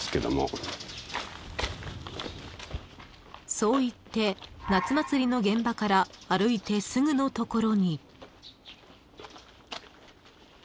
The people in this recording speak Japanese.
［そう言って夏祭りの現場から歩いてすぐのところに］